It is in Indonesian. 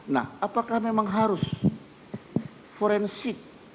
nah apakah memang harus forensik